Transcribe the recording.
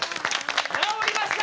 治りました！